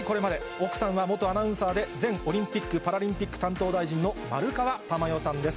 奥さんは元アナウンサーで、前オリンピック・パラリンピック担当大臣の丸川珠代さんです。